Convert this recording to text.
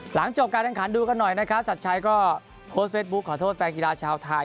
หลังจบการแข่งขันดูกันหน่อยนะครับชัดชัยก็โพสต์เฟซบุ๊คขอโทษแฟนกีฬาชาวไทย